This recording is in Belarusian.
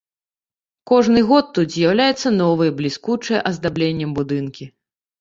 Кожны год тут з'яўляюцца новыя, бліскучыя аздабленнем будынкі.